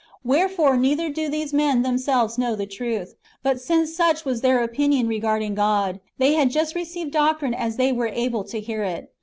Wherefore neither do these men themselves know the truth ; but since such was their opinion regarding God, they had just received doctrine as they were able to hear it.